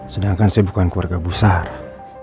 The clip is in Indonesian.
sedangkan saya bukan keluarga ibu sarah